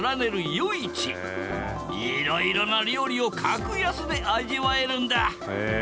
いろいろな料理を格安で味わえるんだへえ。